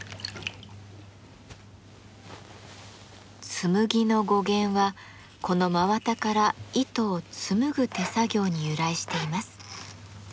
「紬」の語源はこの真綿から糸を紡ぐ手作業に由来しています。